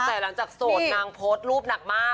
แต่หลังจากโสดนางโพสต์รูปหนักมาก